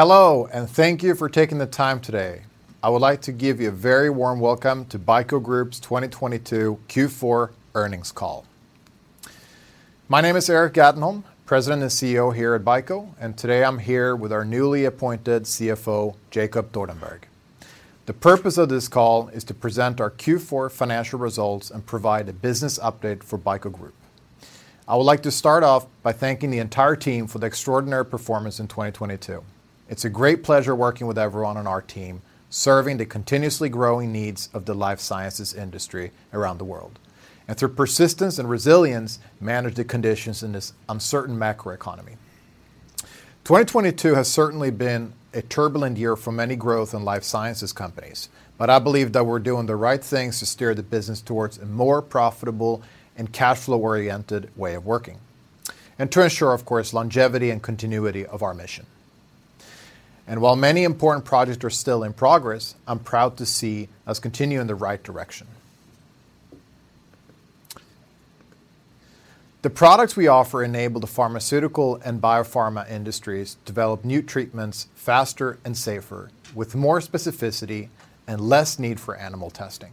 Hello, thank you for taking the time today. I would like to give you a very warm welcome to BICO Group's 2022 Q4 earnings call. My name is Erik Gatenholm, President and CEO here at BICO, today I'm here with our newly appointed CFO, Jacob Thordenberg. The purpose of this call is to present our Q4 financial results and provide a business update for BICO Group. I would like to start off by thanking the entire team for the extraordinary performance in 2022. It's a great pleasure working with everyone on our team, serving the continuously growing needs of the life sciences industry around the world, through persistence and resilience, manage the conditions in this uncertain macroeconomy. 2022 has certainly been a turbulent year for many growth and life sciences companies, I believe that we're doing the right things to steer the business towards a more profitable and cash flow-oriented way of working, and to ensure, of course, longevity and continuity of our mission. While many important projects are still in progress, I'm proud to see us continue in the right direction. The products we offer enable the pharmaceutical and biopharma industries develop new treatments faster and safer, with more specificity and less need for animal testing.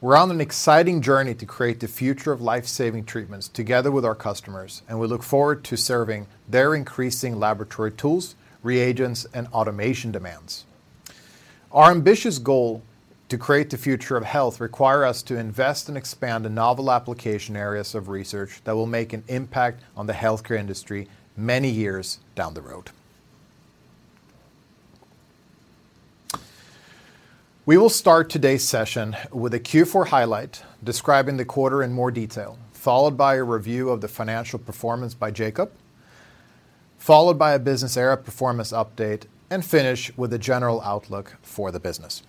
We're on an exciting journey to create the future of life-saving treatments together with our customers, we look forward to serving their increasing laboratory tools, reagents, and automation demands. Our ambitious goal to create the future of health require us to invest and expand the novel application areas of research that will make an impact on the healthcare industry many years down the road. We will start today's session with a Q4 highlight describing the quarter in more detail, followed by a review of the financial performance by Jacob, followed by a business area performance update, and finish with a general outlook for the business.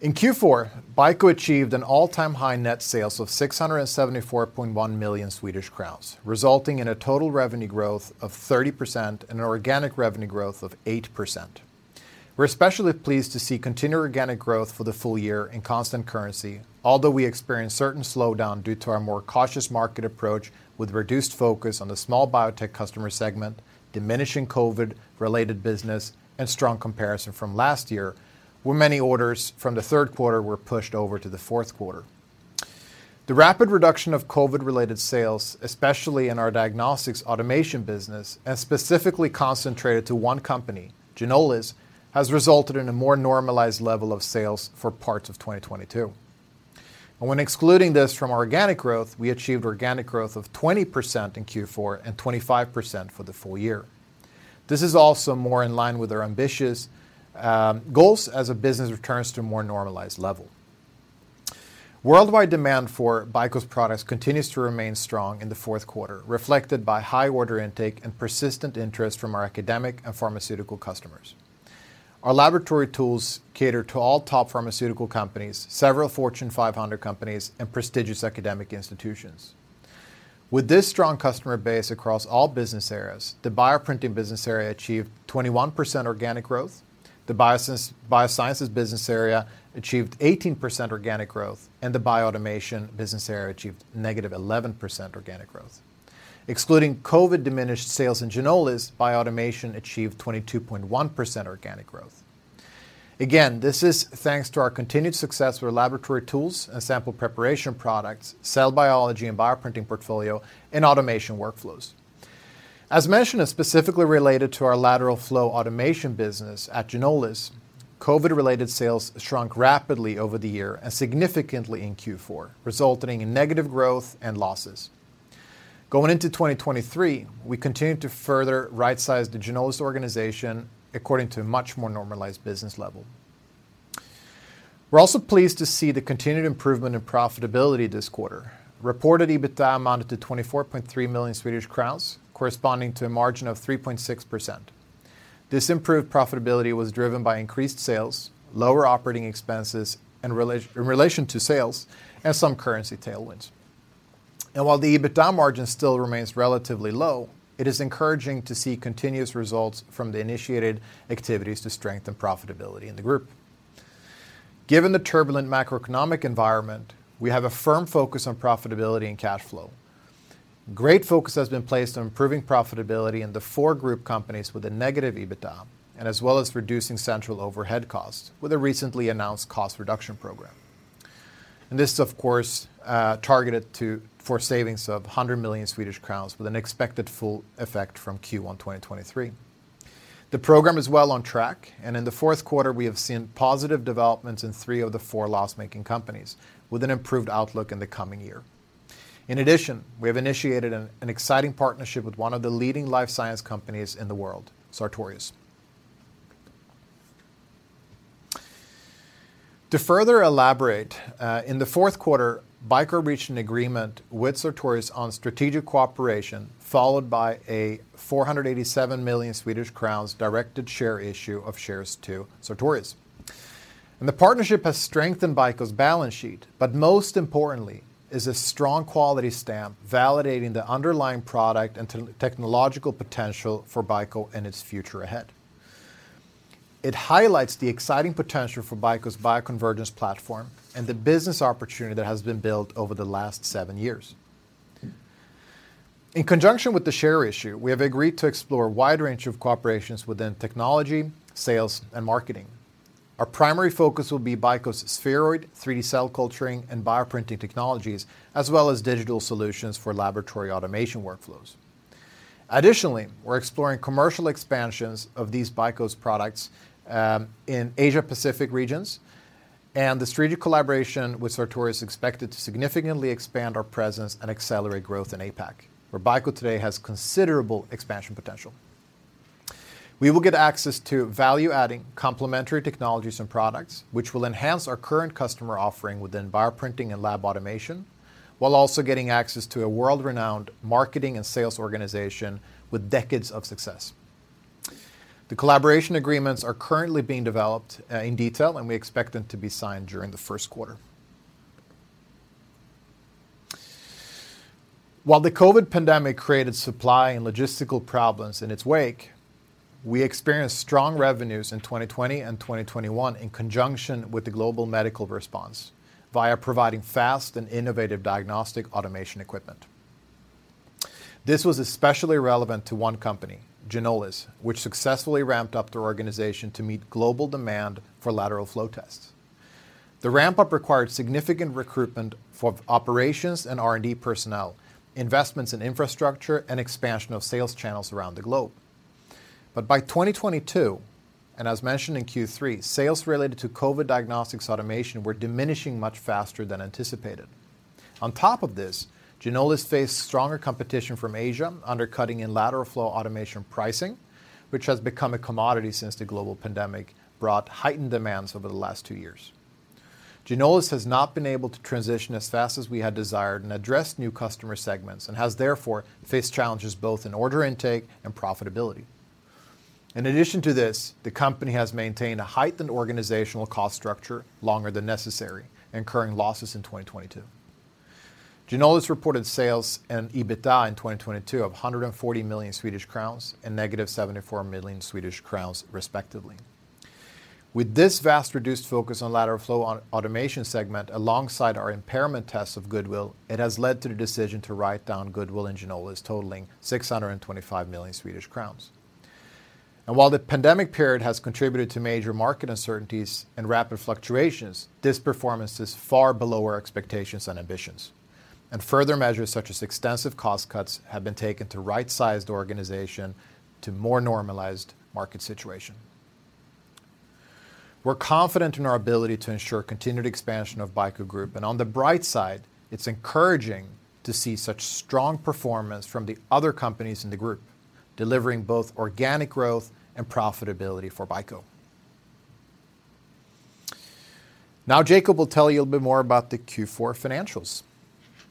In Q4, BICO achieved an all-time high net sales of 674.1 million Swedish crowns, resulting in a total revenue growth of 30% and an organic revenue growth of 8%. We're especially pleased to see continued organic growth for the full-year in constant currency, although we experienced certain slowdown due to our more cautious market approach with reduced focus on the small biotech customer segment, diminishing COVID-related business, and strong comparison from last year, where many orders from the third quarter were pushed over to the fourth quarter. The rapid reduction of COVID-related sales, especially in our diagnostics automation business, and specifically concentrated to one company, Ginolis, has resulted in a more normalized level of sales for parts of 2022. When excluding this from organic growth, we achieved organic growth of 20% in Q4 and 25% for the full-year. This is also more in line with our ambitious goals as the business returns to a more normalized level. Worldwide demand for BICO's products continues to remain strong in the fourth quarter, reflected by high order intake and persistent interest from our academic and pharmaceutical customers. Our laboratory tools cater to all top pharmaceutical companies, several Fortune 500 companies, and prestigious academic institutions. With this strong customer base across all business areas, the Bioprinting business area achieved 21% organic growth, the Biosciences business area achieved 18% organic growth, and the Bioautomation business area achieved -11% organic growth. Excluding COVID-diminished sales in Ginolis, Bioautomation achieved 22.1% organic growth. Again, this is thanks to our continued success with laboratory tools and sample preparation products, cell biology and Bioprinting portfolio, and automation workflows. As mentioned and specifically related to our lateral flow automation business at Ginolis, COVID-related sales shrunk rapidly over the year and significantly in Q4, resulting in negative growth and losses. Going into 2023, we continue to further right-size the Ginolis organization according to a much more normalized business level. We're also pleased to see the continued improvement in profitability this quarter. Reported EBITDA amounted to 24.3 million Swedish crowns, corresponding to a margin of 3.6%. This improved profitability was driven by increased sales, lower operating expenses in relation to sales, and some currency tailwinds. While the EBITDA margin still remains relatively low, it is encouraging to see continuous results from the initiated activities to strengthen profitability in the group. Given the turbulent macroeconomic environment, we have a firm focus on profitability and cash flow. Great focus has been placed on improving profitability in the four group companies with a negative EBITDA, and as well as reducing central overhead costs with a recently announced cost reduction program. This, of course, targeted for savings of 100 million Swedish crowns with an expected full effect from Q1 2023. The program is well on track, and in the fourth quarter, we have seen positive developments in three of the four loss-making companies, with an improved outlook in the coming year. We have initiated an exciting partnership with one of the leading life science companies in the world, Sartorius. In the fourth quarter, BICO reached an agreement with Sartorius on strategic cooperation, followed by a 487 million Swedish crowns directed share issue of shares to Sartorius. The partnership has strengthened BICO's balance sheet, but most importantly is a strong quality stamp validating the underlying product and technological potential for BICO and its future ahead. It highlights the exciting potential for BICO's bioconvergence platform and the business opportunity that has been built over the last seven years. In conjunction with the share issue, we have agreed to explore a wide range of cooperations within technology, sales, and marketing. Our primary focus will be BICO's spheroid, 3D cell culturing, and bioprinting technologies, as well as digital solutions for laboratory automation workflows. Additionally, we're exploring commercial expansions of these BICO's products, in APAC regions, and the strategic collaboration with Sartorius expected to significantly expand our presence and accelerate growth in APAC, where BICO today has considerable expansion potential. We will get access to value-adding complementary technologies and products, which will enhance our current customer offering within Bioprinting and Bioautomation while also getting access to a world-renowned marketing and sales organization with decades of success. The collaboration agreements are currently being developed in detail, and we expect them to be signed during the first quarter. While the COVID pandemic created supply and logistical problems in its wake, we experienced strong revenues in 2020 and 2021 in conjunction with the global medical response via providing fast and innovative diagnostic automation equipment. This was especially relevant to one company, Ginolis, which successfully ramped up their organization to meet global demand for lateral flow tests. The ramp-up required significant recruitment for operations and R&D personnel, investments in infrastructure, and expansion of sales channels around the globe. By 2022, and as mentioned in Q3, sales related to COVID diagnostics automation were diminishing much faster than anticipated. On top of this, Ginolis faced stronger competition from Asia undercutting in lateral flow automation pricing, which has become a commodity since the global pandemic brought heightened demands over the last two years. Ginolis has not been able to transition as fast as we had desired and address new customer segments and has therefore faced challenges both in order intake and profitability. In addition to this, the company has maintained a heightened organizational cost structure longer than necessary, incurring losses in 2022. Ginolis reported sales and EBITDA in 2022 of 140 million Swedish crowns and negative 74 million Swedish crowns, respectively. With this vast reduced focus on lateral flow automation segment alongside our impairment tests of goodwill, it has led to the decision to write down goodwill in Ginolis totaling 625 million Swedish crowns. While the pandemic period has contributed to major market uncertainties and rapid fluctuations, this performance is far below our expectations and ambitions. Further measures such as extensive cost cuts have been taken to right-sized organization to more normalized market situation. We're confident in our ability to ensure continued expansion of BICO Group, and on the bright side, it's encouraging to see such strong performance from the other companies in the group, delivering both organic growth and profitability for BICO. Now Jacob will tell you a bit more about the Q4 financials.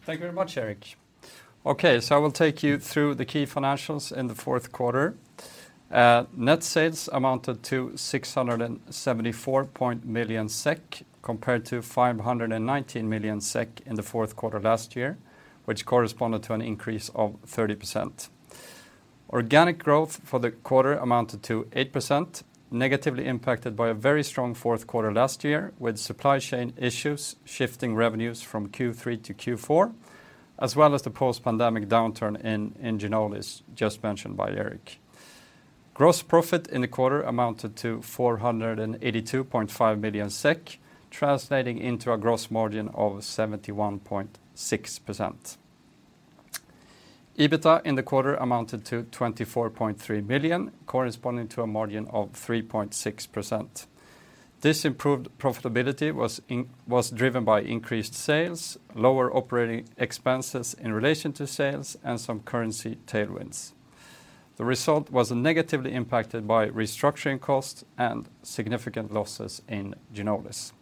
Thank you very much, Erik. I will take you through the key financials in the fourth quarter. Net sales amounted to 674 million SEK compared to 519 million SEK in the fourth quarter last year, which corresponded to an increase of 30%. Organic growth for the quarter amounted to 8%, negatively impacted by a very strong fourth quarter last year, with supply chain issues shifting revenues from Q3 -Q4, as well as the post-pandemic downturn in Ginolis just mentioned by Erik. Gross profit in the quarter amounted to 482.5 million SEK, translating into a gross margin of 71.6%. EBITDA in the quarter amounted to 24.3 million, corresponding to a margin of 3.6%. This improved profitability was driven by increased sales, lower operating expenses in relation to sales, and some currency tailwinds. The result was negatively impacted by restructuring costs and significant losses in Ginolis.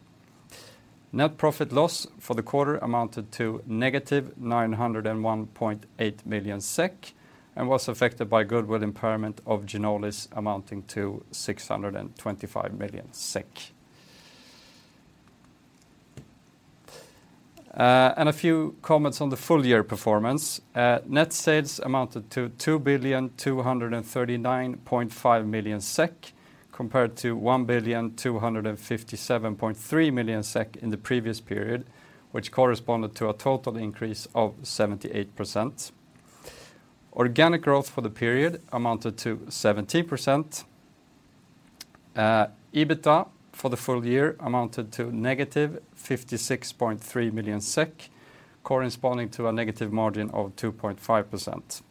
Net profit loss for the quarter amounted to -901.8 million SEK and was affected by goodwill impairment of Ginolis amounting to 625 million SEK. A few comments on the full-year performance. Net sales amounted to 2,239.5 million SEK compared to 1,257.3 million SEK in the previous period, which corresponded to a total increase of 78%. Organic growth for the period amounted to 17%. EBITDA for the full-year amounted to negative 56.3 million SEK, corresponding to a negative margin of 2.5%.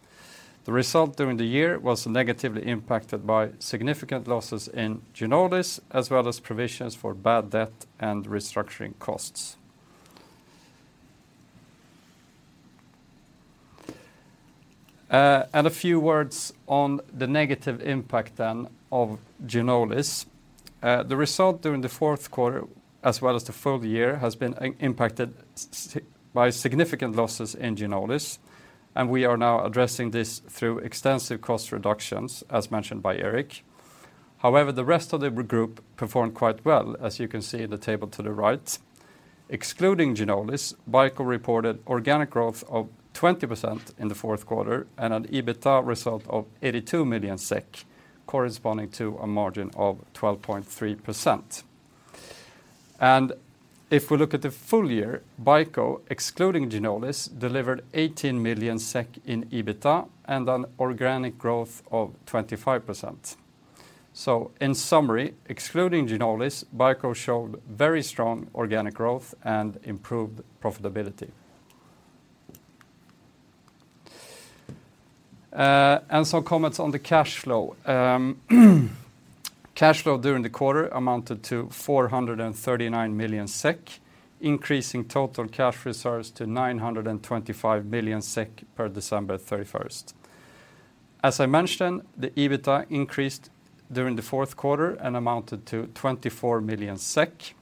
The result during the year was negatively impacted by significant losses in Ginolis, as well as provisions for bad debt and restructuring costs. A few words on the negative impact then of Ginolis. The result during the fourth quarter, as well as the full-year, has been impacted by significant losses in Ginolis, and we are now addressing this through extensive cost reductions, as mentioned by Erik. However, the rest of the group performed quite well, as you can see in the table to the right. Excluding Ginolis, BICO reported organic growth of 20% in the fourth quarter and an EBITA result of 82 million SEK, corresponding to a margin of 12.3%. If we look at the full-year, BICO, excluding Ginolis, delivered 18 million SEK in EBITA and an organic growth of 25%. In summary, excluding Ginolis, BICO showed very strong organic growth and improved profitability. Some comments on the cash flow. Cash flow during the quarter amounted to 439 million SEK, increasing total cash reserves to 925 million SEK per December 31st. As I mentioned, the EBITdA increased during the fourth quarter and amounted to 24 million SEK.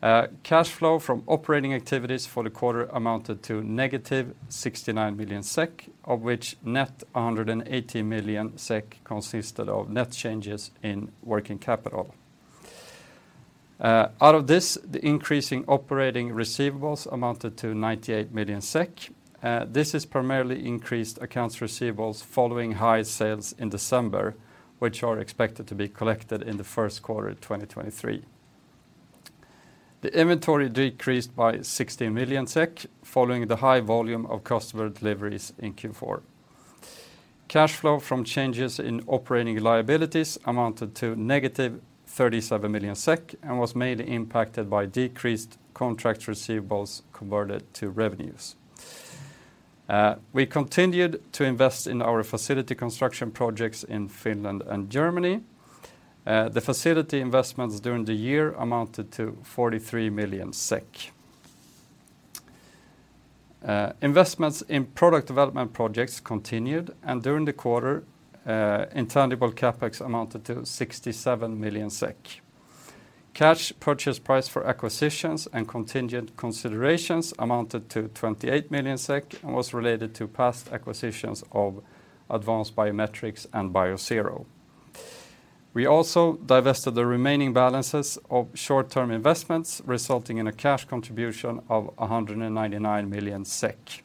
Cash flow from operating activities for the quarter amounted to negative 69 million SEK, of which net 180 million SEK consisted of net changes in working capital. Out of this, the increase in operating receivables amounted to 98 million SEK. This has primarily increased accounts receivables following high sales in December, which are expected to be collected in the first quarter of 2023. The inventory decreased by 16 million SEK following the high volume of customer deliveries in Q4. Cash flow from changes in operating liabilities amounted to negative 37 million SEK and was mainly impacted by decreased contract receivables converted to revenues. We continued to invest in our facility construction projects in Finland and Germany. The facility investments during the year amounted to 43 million SEK. Investments in product development projects continued, and during the quarter, intangible CapEx amounted to 67 million SEK. Cash purchase price for acquisitions and contingent considerations amounted to 28 million SEK and was related to past acquisitions of Advanced BioMatrix and Biosero. We also divested the remaining balances of short-term investments, resulting in a cash contribution of 199 million SEK.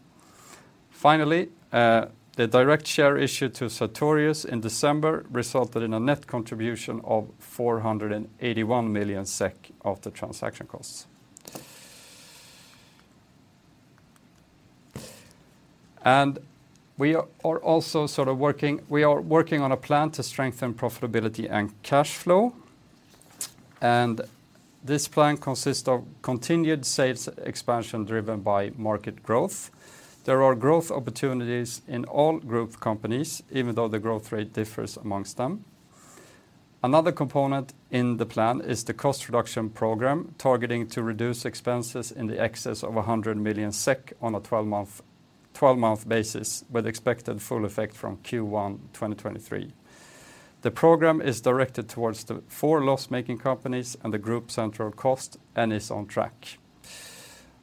Finally, the direct share issue to Sartorius in December resulted in a net contribution of 481 million SEK after transaction costs. We are also working on a plan to strengthen profitability and cash flow. This plan consists of continued sales expansion driven by market growth. There are growth opportunities in all group companies, even though the growth rate differs amongst them. Another component in the plan is the cost reduction program, targeting to reduce expenses in the excess of 100 million SEK on a 12-month basis, with expected full effect from Q1 2023. The program is directed towards the four loss-making companies and the group central cost and is on track.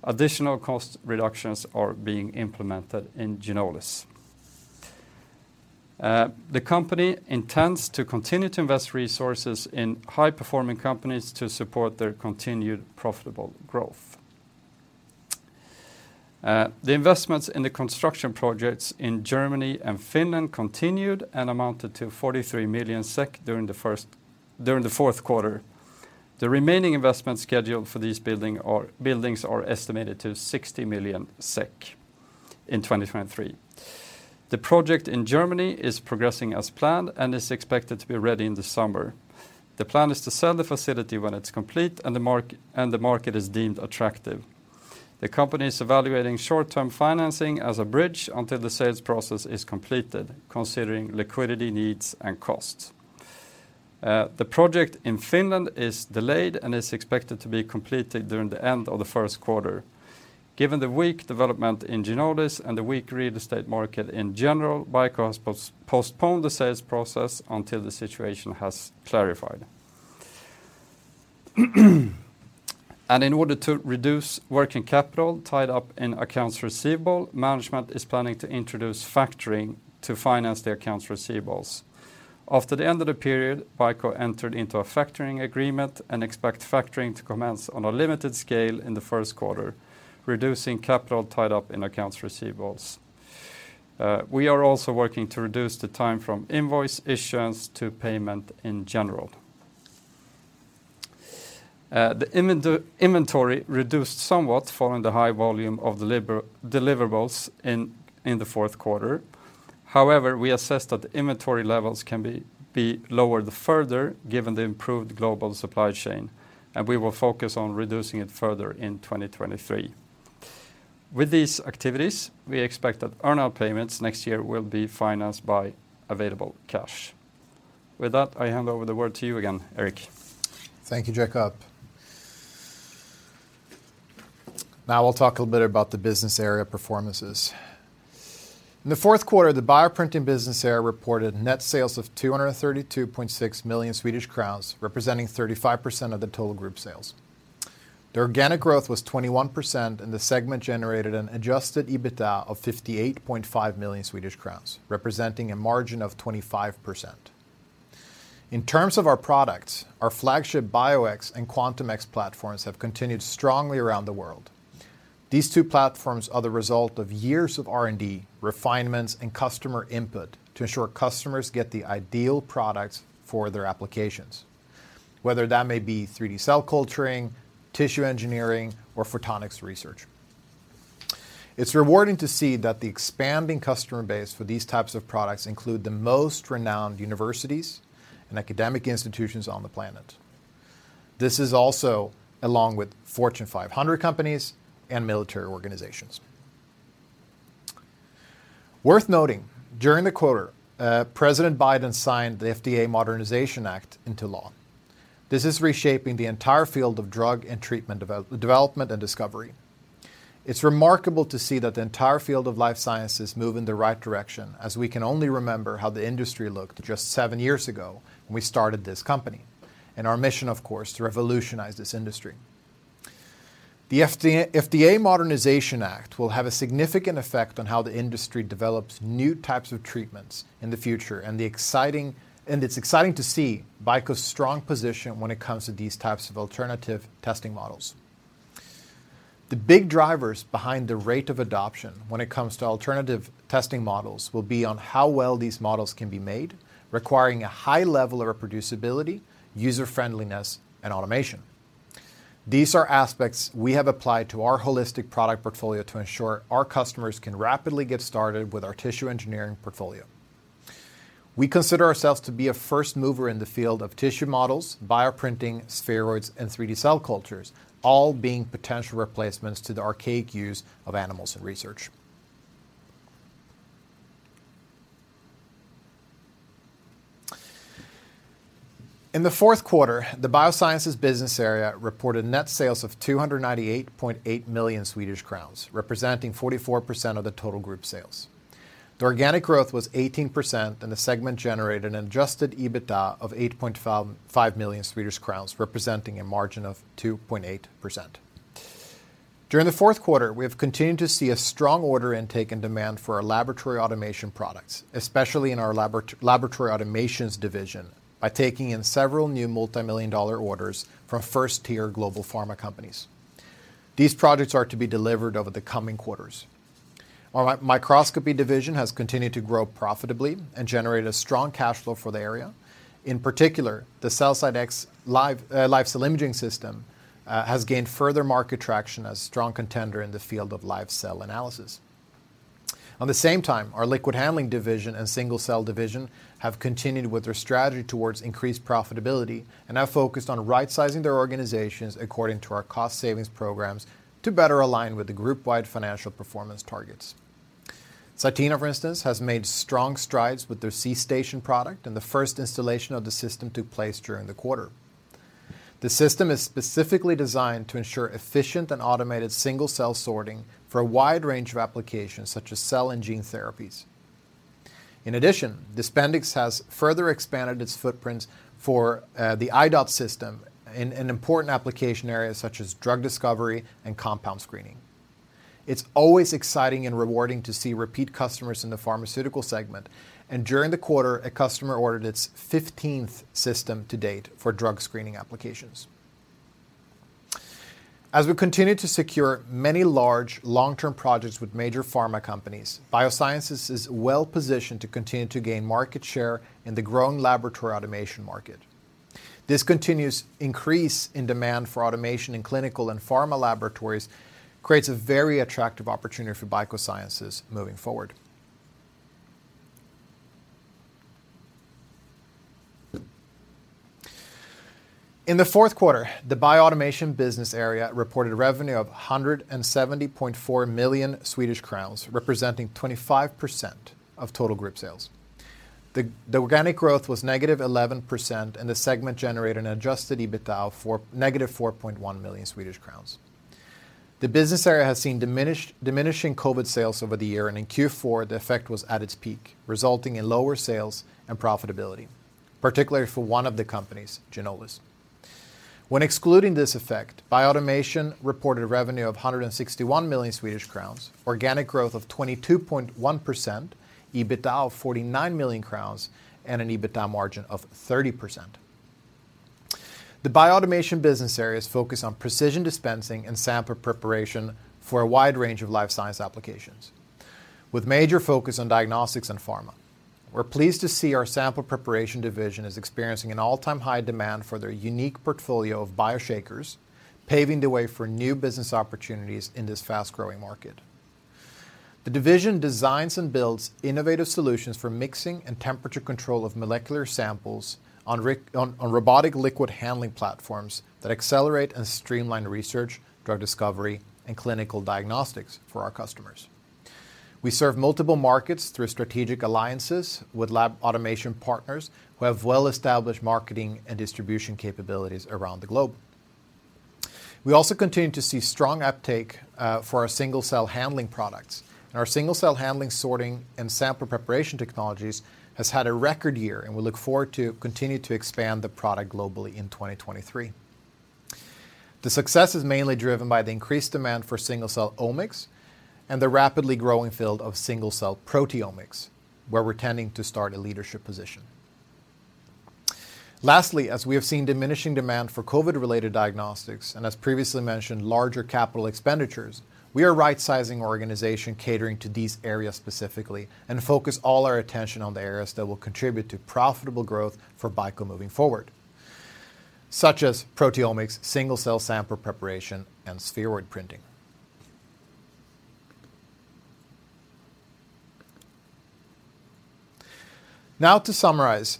Additional cost reductions are being implemented in Ginolis. The company intends to continue to invest resources in high-performing companies to support their continued profitable growth. The investments in the construction projects in Germany and Finland continued and amounted to 43 million SEK during the fourth quarter. The remaining investment schedule for these buildings are estimated to 60 million SEK in 2023. The project in Germany is progressing as planned and is expected to be ready in the summer. The plan is to sell the facility when it's complete and the market is deemed attractive. The company is evaluating short-term financing as a bridge until the sales process is completed, considering liquidity needs and costs. The project in Finland is delayed and is expected to be completed during the end of the first quarter. Given the weak development in Ginolis and the weak real estate market in general, BICO has postponed the sales process until the situation has clarified. In order to reduce working capital tied up in accounts receivable, management is planning to introduce factoring to finance the accounts receivables. After the end of the period, BICO entered into a factoring agreement and expects factoring to commence on a limited scale in the first quarter, reducing capital tied up in accounts receivables. We are also working to reduce the time from invoice issuance to payment in general. The inventory reduced somewhat following the high volume of the deliverables in the fourth quarter. However, we assessed that the inventory levels can be lowered further given the improved global supply chain, and we will focus on reducing it further in 2023. With these activities, we expect that earn-out payments next year will be financed by available cash. With that, I hand over the word to you again, Erik. Thank you, Jacob. We'll talk a little bit about the business area performances. In the fourth quarter, the Bioprinting business area reported net sales of 232.6 million Swedish crowns, representing 35% of the total Group sales. The organic growth was 21%. The segment generated an adjusted EBITA of 58.5 million Swedish crowns, representing a margin of 25%. In terms of our products, our flagship BIO X and Quantum X platforms have continued strongly around the world. These two platforms are the result of years of R&D, refinements, and customer input to ensure customers get the ideal products for their applications, whether that may be 3D cell culture, tissue engineering, or photonics research. It's rewarding to see that the expanding customer base for these types of products include the most renowned universities and academic institutions on the planet. This is also along with Fortune 500 companies and military organizations. Worth noting, during the quarter, President Biden signed the FDA Modernization Act into law. This is reshaping the entire field of drug and treatment development and discovery. It's remarkable to see that the entire field of life sciences move in the right direction as we can only remember how the industry looked just seven years ago when we started this company, and our mission, of course, to revolutionize this industry. The FDA Modernization Act will have a significant effect on how the industry develops new types of treatments in the future, and it's exciting to see BICO's strong position when it comes to these types of alternative testing models. The big drivers behind the rate of adoption when it comes to alternative testing models will be on how well these models can be made, requiring a high level of reproducibility, user-friendliness, and automation. These are aspects we have applied to our holistic product portfolio to ensure our customers can rapidly get started with our tissue engineering portfolio. We consider ourselves to be a first mover in the field of tissue models, bioprinting, spheroids, and 3D cell cultures, all being potential replacements to the archaic use of animals in research. In the fourth quarter, the Biosciences business area reported net sales of 298.8 million Swedish crowns, representing 44% of the total group sales. The organic growth was 18%, and the segment generated an adjusted EBITDA of 8.55 million Swedish crowns, representing a margin of 2.8%. During the fourth quarter, we have continued to see a strong order intake and demand for our laboratory automation products, especially in our laboratory automations division, by taking in several new multimillion-dollar orders from first-tier global pharma companies. These projects are to be delivered over the coming quarters. Our microscopy division has continued to grow profitably and generate a strong cash flow for the area. In particular, the CELLCYTE X live cell imaging system has gained further market traction as a strong contender in the field of live cell analysis. On the same time, our liquid handling division and single cell division have continued with their strategy towards increased profitability and have focused on rightsizing their organizations according to our cost savings programs to better align with the group-wide financial performance targets. Cytena, for instance, has made strong strides with their C.STATION product, and the first installation of the system took place during the quarter. The system is specifically designed to ensure efficient and automated single-cell sorting for a wide range of applications such as cell and gene therapies. In addition, DISPENDIX has further expanded its footprint for the I.DOT system in an important application area such as drug discovery and compound screening. It's always exciting and rewarding to see repeat customers in the pharmaceutical segment, and during the quarter, a customer ordered its 15th system to date for drug screening applications. As we continue to secure many large, long-term projects with major pharma companies, Biosciences is well-positioned to continue to gain market share in the growing laboratory automation market. This continuous increase in demand for automation in clinical and pharma laboratories creates a very attractive opportunity for Biosciences moving forward. In Q4, the Bioautomation business area reported revenue of 170.4 million Swedish crowns, representing 25% of total group sales. The organic growth was -11%. The segment generated an adjusted EBITDA of -4.1 million Swedish crowns. The business area has seen diminishing COVID sales over the year, and in Q4, the effect was at its peak, resulting in lower sales and profitability, particularly for one of the companies, Ginolis. When excluding this effect, Bioautomation reported revenue of 161 million Swedish crowns, organic growth of 22.1%, EBITDA of 49 million crowns, and an EBITDA margin of 30%. The Bioautomation business area is focused on precision dispensing and sample preparation for a wide range of life science applications, with major focus on diagnostics and pharma. We're pleased to see our sample preparation division is experiencing an all-time high demand for their unique portfolio of Bioshakers, paving the way for new business opportunities in this fast-growing market. The division designs and builds innovative solutions for mixing and temperature control of molecular samples on robotic liquid handling platforms that accelerate and streamline research, drug discovery, and clinical diagnostics for our customers. We serve multiple markets through strategic alliances with lab automation partners who have well-established marketing and distribution capabilities around the globe. We also continue to see strong uptake for our single-cell handling products, our single-cell handling, sorting, and sample preparation technologies has had a record year, and we look forward to continue to expand the product globally in 2023. The success is mainly driven by the increased demand for single-cell omics and the rapidly growing field of single-cell proteomics, where we're tending to start a leadership position. Lastly, as we have seen diminishing demand for COVID-related diagnostics and as previously mentioned, larger capital expenditures, we are right-sizing organization catering to these areas specifically and focus all our attention on the areas that will contribute to profitable growth for BICO moving forward, such as proteomics, single-cell sample preparation, and spheroid printing. Now to summarize,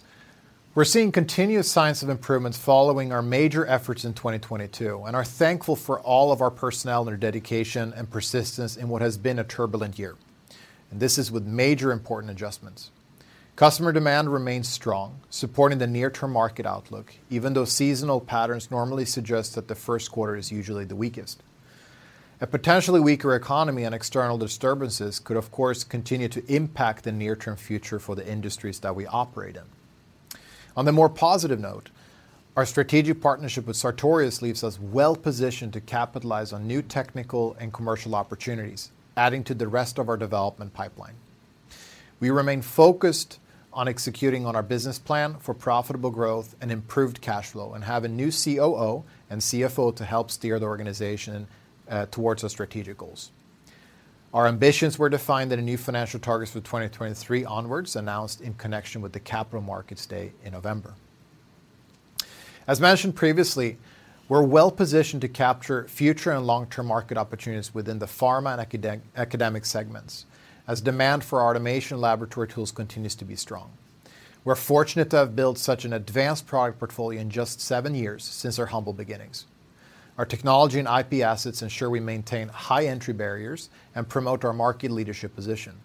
we're seeing continuous signs of improvements following our major efforts in 2022 and are thankful for all of our personnel and their dedication and persistence in what has been a turbulent year. This is with major important adjustments. Customer demand remains strong, supporting the near-term market outlook, even though seasonal patterns normally suggest that the first quarter is usually the weakest. A potentially weaker economy and external disturbances could, of course, continue to impact the near-term future for the industries that we operate in. On the more positive note, our strategic partnership with Sartorius leaves us well-positioned to capitalize on new technical and commercial opportunities, adding to the rest of our development pipeline. We remain focused on executing on our business plan for profitable growth and improved cash flow and have a new COO and CFO to help steer the organization towards the strategic goals. Our ambitions were defined in a new financial targets for 2023 onwards, announced in connection with the Capital Markets Day in November. As mentioned previously, we're well-positioned to capture future and long-term market opportunities within the pharma and academic segments as demand for automation laboratory tools continues to be strong. We're fortunate to have built such an advanced product portfolio in just seven years since our humble beginnings. Our technology and IP assets ensure we maintain high entry barriers and promote our market leadership position.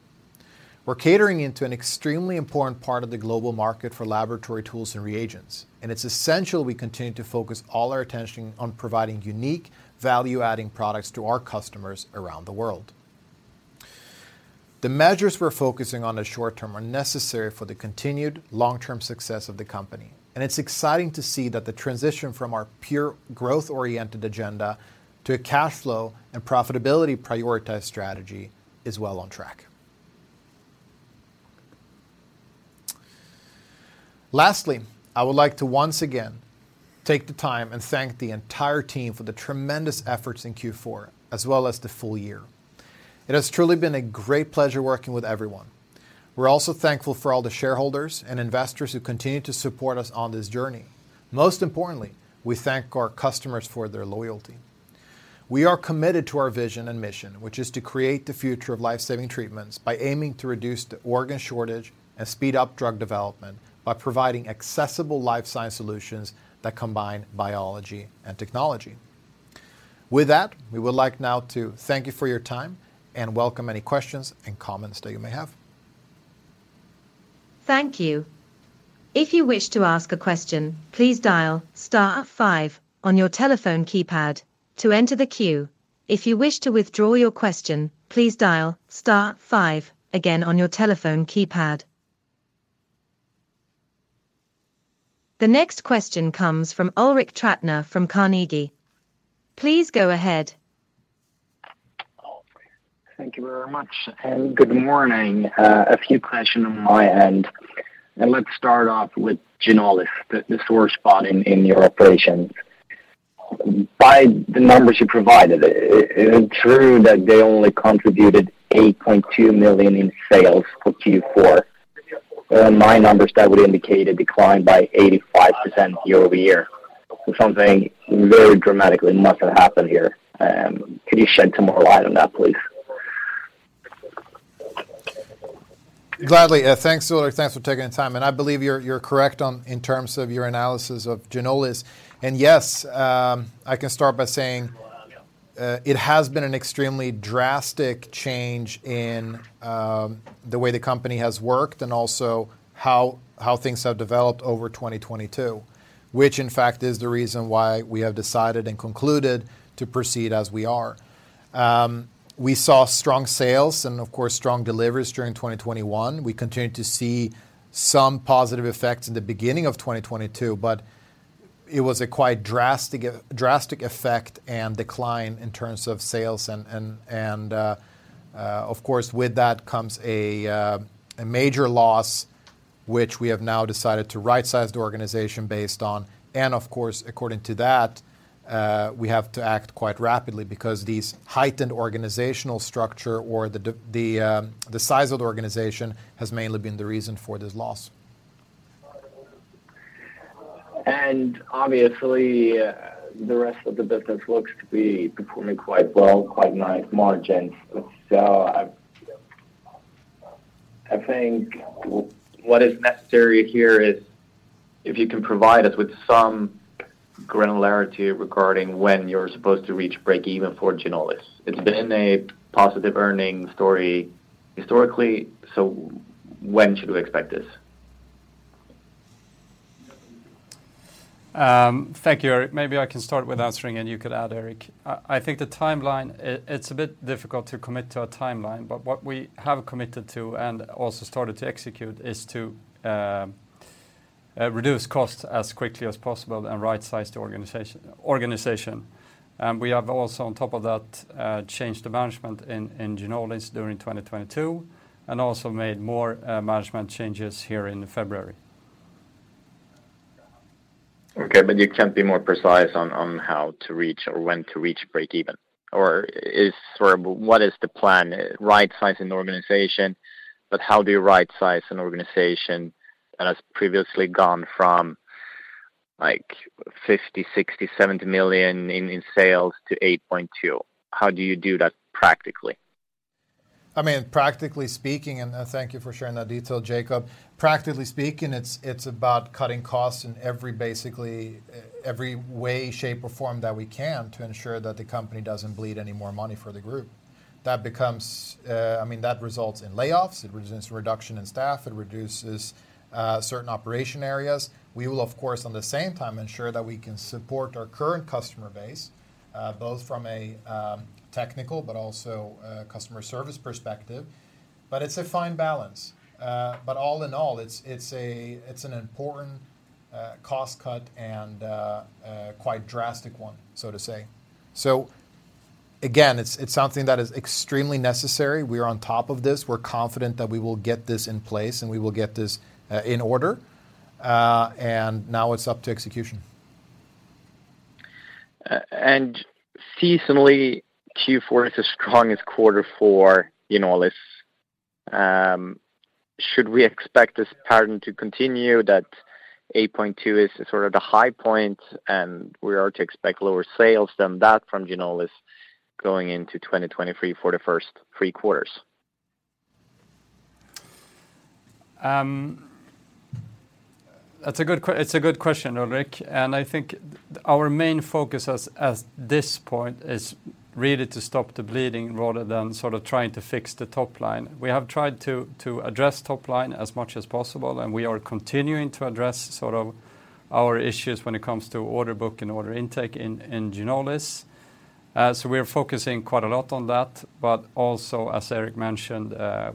We're catering into an extremely important part of the global market for laboratory tools and reagents, and it's essential we continue to focus all our attention on providing unique value-adding products to our customers around the world. The measures we're focusing on the short term are necessary for the continued long-term success of the company. It's exciting to see that the transition from our pure growth-oriented agenda to a cash flow and profitability prioritized strategy is well on track. Lastly, I would like to once again take the time and thank the entire team for the tremendous efforts in Q4, as well as the full-year. It has truly been a great pleasure working with everyone. We're also thankful for all the shareholders and investors who continue to support us on this journey. Most importantly, we thank our customers for their loyalty. We are committed to our vision and mission, which is to create the future of life-saving treatments by aiming to reduce the organ shortage and speed up drug development by providing accessible life science solutions that combine biology and technology. With that, we would like now to thank you for your time and welcome any questions and comments that you may have. Thank you. If you wish to ask a question, please dial star five on your telephone keypad to enter the queue. If you wish to withdraw your question, please dial star five again on your telephone keypad. The next question comes from Ulrik Trattner from Carnegie. Please go ahead. Thank you very much. Good morning. A few question on my end. Let's start off with Ginolis, the sore spot in your operations. By the numbers you provided, is it true that they only contributed 8.2 million in sales for Q4? In my numbers, that would indicate a decline by 85% year-over-year. Something very dramatically must have happened here. Could you shed some more light on that, please? Ulrik. Thanks for taking the time. I believe you're correct in terms of your analysis of Ginolis. Yes, I can start by saying it has been an extremely drastic change in the way the company has worked and also how things have developed over 2022, which in fact is the reason why we have decided and concluded to proceed as we are. We saw strong sales and of course, strong deliveries during 2021. We continued to see some positive effects in the beginning of 2022, but it was a quite drastic effect and decline in terms of sales and, of course, with that comes a major loss, which we have now decided to right-size the organization based on. Of course, according to that, we have to act quite rapidly because this heightened organizational structure or the size of the organization has mainly been the reason for this loss. Obviously, the rest of the business looks to be performing quite well, quite nice margins. I think what is necessary here is if you can provide us with some granularity regarding when you're supposed to reach breakeven for Ginolis. It's been a positive earning story historically, when should we expect this? Thank you, Ulrik. Maybe I can start with answering, and you could add, Erik. I think the timeline, it's a bit difficult to commit to a timeline, but what we have committed to and also started to execute is to reduce costs as quickly as possible and rightsize the organization. We have also on top of that changed the management in Ginolis during 2022, and also made more management changes here in February. Okay. you can't be more precise on how to reach or when to reach break even? sort of what is the plan? Rightsize an organization, but how do you rightsize an organization that has previously gone from like 50 million, 60 million, 70 million in sales to 8.2 million? How do you do that practically? I mean, practically speaking, and thank you for sharing that detail, Jacob. Practically speaking, it's about cutting costs in every basically, every way, shape or form that we can to ensure that the company doesn't bleed any more money for the group. That becomes. I mean, that results in layoffs, it results in reduction in staff, it reduces certain operation areas. We will, of course, on the same time ensure that we can support our current customer base, both from a technical but also a customer service perspective. It's a fine balance. But all in all, it's an important cost cut and a quite drastic one, so to say. Again, it's something that is extremely necessary. We're on top of this. We're confident that we will get this in place, and we will get this in order. Now it's up to execution. Seasonally Q4 is the strongest quarter for Ginolis. Should we expect this pattern to continue that 8.2 is sort of the high point, and we are to expect lower sales than that from Ginolis going into 2023 for the first three quarters? That's a good question, Ulrik, I think our main focus as this point is really to stop the bleeding rather than sort of trying to fix the top line. We have tried to address top line as much as possible, and we are continuing to address sort of our issues when it comes to order book and order intake in Ginolis. We're focusing quite a lot on that, also, as Erik mentioned,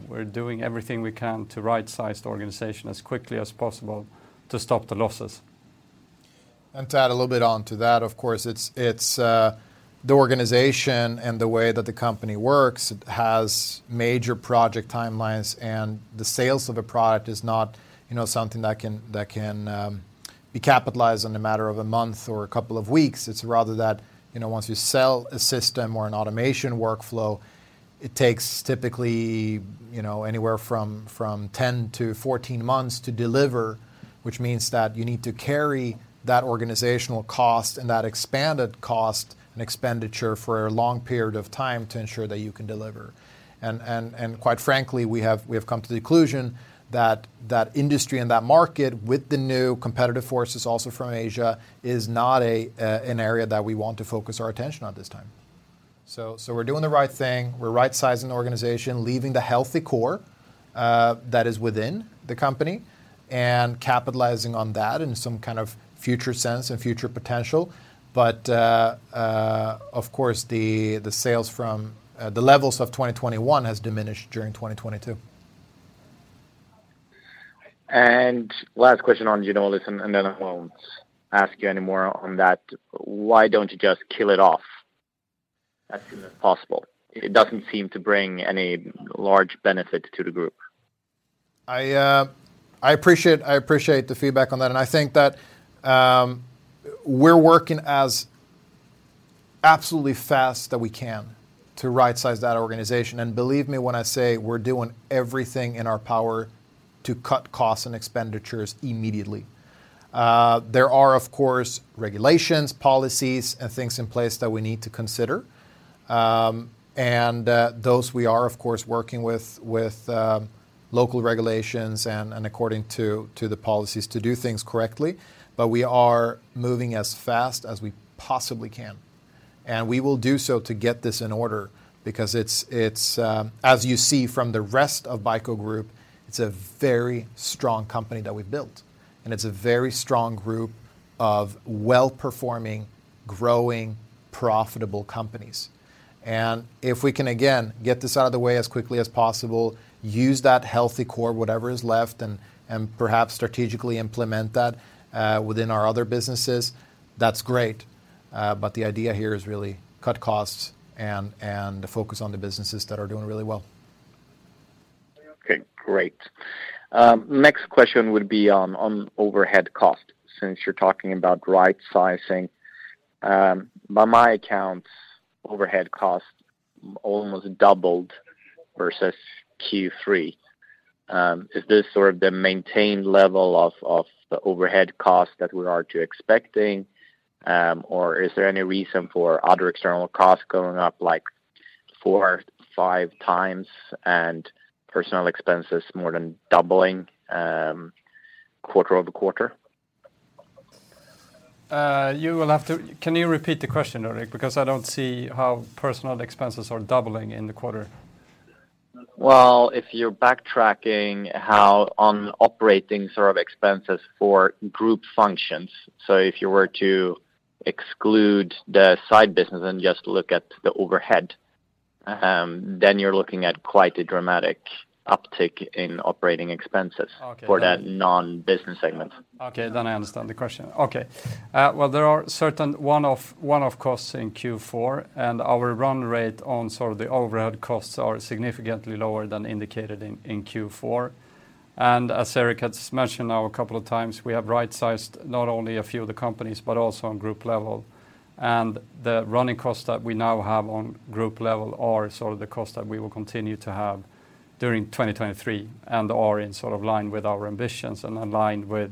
we're doing everything we can to rightsize the organization as quickly as possible to stop the losses. To add a little bit on to that, of course, it's the organization and the way that the company works has major project timelines, and the sales of a product is not, you know, something that can be capitalized in a matter of a month or a couple of weeks. It's rather that, you know, once you sell a system or an automation workflow, it takes typically, you know, anywhere from 10 to 14 months to deliver, which means that you need to carry that organizational cost and that expanded cost and expenditure for a long period of time to ensure that you can deliver. Quite frankly, we have come to the conclusion that that industry and that market with the new competitive forces also from Asia is not an area that we want to focus our attention on at this time. We're doing the right thing. We're rightsizing the organization, leaving the healthy core that is within the company and capitalizing on that in some kind of future sense and future potential. Of course, the sales from the levels of 2021 has diminished during 2022. Last question on Ginolis, and then I won't ask you any more on that. Why don't you just kill it off as soon as possible? It doesn't seem to bring any large benefit to the group. I appreciate the feedback on that, and I think that we're working as absolutely fast that we can to rightsize that organization. Believe me when I say we're doing everything in our power to cut costs and expenditures immediately. There are, of course, regulations, policies, and things in place that we need to consider. Those we are of course working with local regulations and according to the policies to do things correctly. We are moving as fast as we possibly can. We will do so to get this in order because it's as you see from the rest of BICO Group, it's a very strong company that we built, and it's a very strong group of well-performing, growing, profitable companies. If we can again get this out of the way as quickly as possible, use that healthy core, whatever is left, and perhaps strategically implement that, within our other businesses, that's great. The idea here is really cut costs and focus on the businesses that are doing really well. Okay, great. Next question would be on overhead cost, since you're talking about rightsizing. By my accounts, overhead costs almost doubled versus Q3. Is this sort of the maintained level of the overhead costs that we are to expecting? Or is there any reason for other external costs going up like four or 5x and personnel expenses more than doubling, quarter-over-quarter? Can you repeat the question, Ulrich? Because I don't see how personnel expenses are doubling in the quarter. Well, if you're backtracking how on operating sort of expenses for group functions, so if you were to exclude the side business and just look at the overhead, then you're looking at quite a dramatic uptick in operating expenses... Okay. for that non-business segment. Okay, then I understand the question. Okay. Well, there are certain one-off costs in Q4, and our run rate on sort of the overhead costs are significantly lower than indicated in Q4. As Erik has mentioned now a couple of times, we have rightsized not only a few of the companies, but also on group level. The running cost that we now have on group level are sort of the cost that we will continue to have during 2023, and are in sort of line with our ambitions and aligned with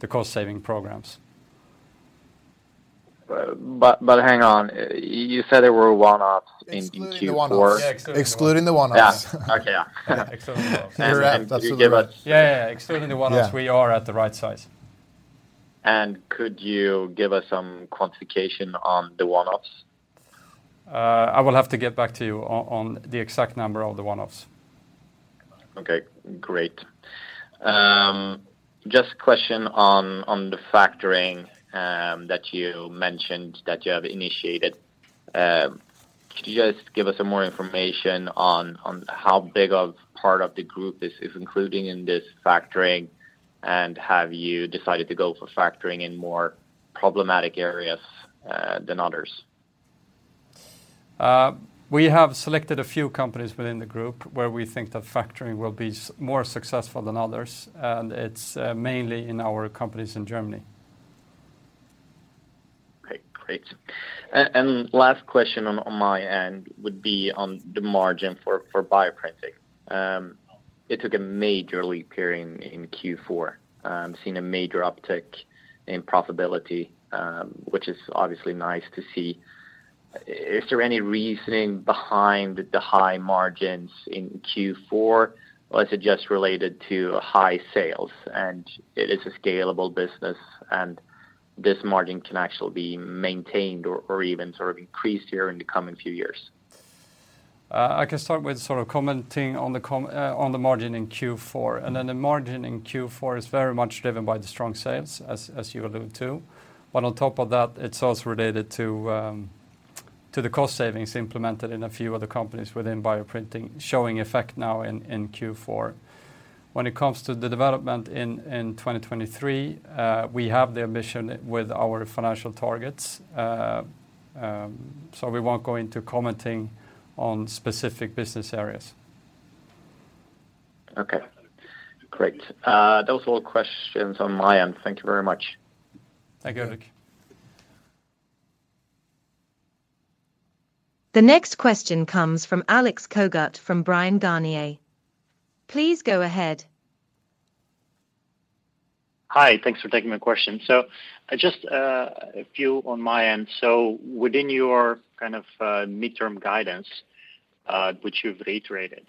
the cost-saving programs. Hang on. You said there were one-offs in Q4. Excluding the one-offs. Yeah, excluding the one-offs. Excluding the one-offs. Yes. Okay, yeah. Excluding the one-offs. Can you give us? Yeah, yeah. Excluding the one-offs. Yeah We are at the right size. Could you give us some quantification on the one-offs? I will have to get back to you on the exact number of the one-offs. Okay, great. Just question on the factoring that you mentioned that you have initiated. Could you just give us some more information on how big of part of the group is including in this factoring, and have you decided to go for factoring in more problematic areas than others? We have selected a few companies within the group where we think that factoring will be more successful than others, and it's mainly in our companies in Germany. Okay, great. Last question on my end would be on the margin for bioprinting. It took a major leap here in Q4. Seen a major uptick in profitability, which is obviously nice to see. Is there any reasoning behind the high margins in Q4, or is it just related to high sales and it is a scalable business and this margin can actually be maintained or even sort of increased here in the coming few years? I can start with sort of commenting on the margin in Q4. The margin in Q4 is very much driven by the strong sales, as you allude to. On top of that, it's also related to the cost savings implemented in a few of the companies within bioprinting, showing effect now in Q4. When it comes to the development in 2023, we have the ambition with our financial targets. We won't go into commenting on specific business areas. Okay, great. Those are all questions on my end. Thank you very much. Thank you. Thank you. The next question comes from Alex Cogut from Bryan, Garnier & Co. Please go ahead. Hi. Thanks for taking my question. Just a few on my end. Within your kind of midterm guidance, which you've reiterated,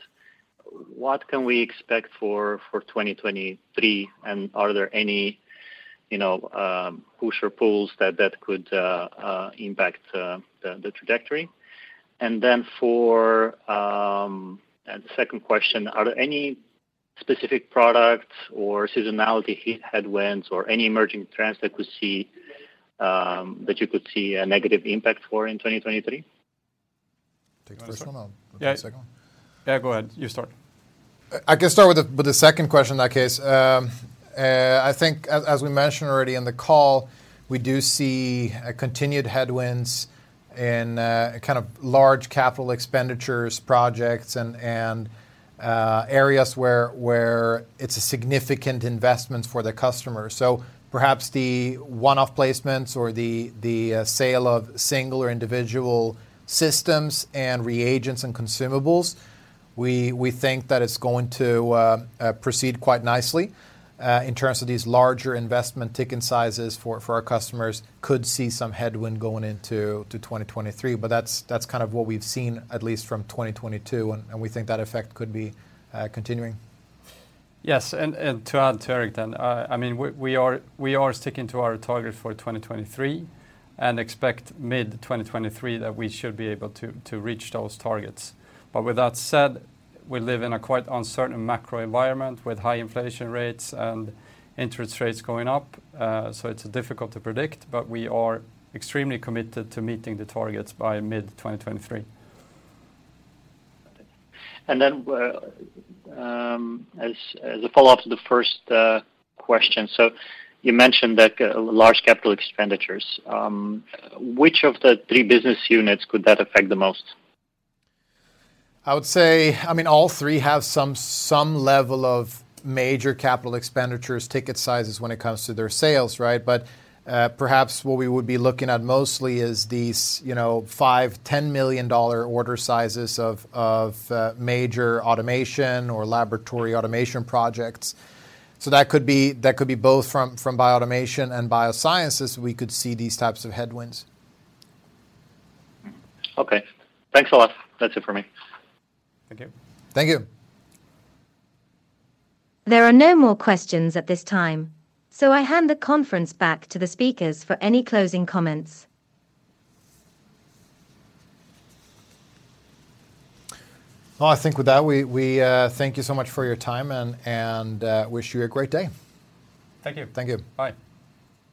what can we expect for 2023, and are there any, you know, push or pulls that could impact the trajectory? For the second question, are there any specific products or seasonality headwinds or any emerging trends that could see that you could see a negative impact for in 2023? Take the first one. You wanna start? I'll take the second one. Yeah. Yeah, go ahead. You start. I can start with the second question in that case. I think as we mentioned already in the call, we do see a continued headwinds in kind of large capital expenditures projects and areas where it's a significant investment for the customer. Perhaps the one-off placements or the sale of single or individual systems and reagents and consumables, we think that it's going to proceed quite nicely. In terms of these larger investment ticket sizes for our customers could see some headwind going into 2023, that's kind of what we've seen at least from 2022, and we think that effect could be continuing. Yes. I mean, we are sticking to our target for 2023 and expect mid-2023 that we should be able to reach those targets. With that said, we live in a quite uncertain macro environment with high inflation rates and interest rates going up. It's difficult to predict, but we are extremely committed to meeting the targets by mid-2023. As a follow-up to the first question. You mentioned that large capital expenditures. Which of the three business units could that affect the most? I would say, I mean, all three have some level of major capital expenditures ticket sizes when it comes to their sales, right? Perhaps what we would be looking at mostly is these, you know, $5 million-$10 million order sizes of major automation or laboratory automation projects. That could be both from Bioautomation and Biosciences, we could see these types of headwinds. Okay. Thanks a lot. That's it for me. Thank you. Thank you. There are no more questions at this time, so I hand the conference back to the speakers for any closing comments. Well, I think with that, we thank you so much for your time and wish you a great day. Thank you. Thank you. Bye.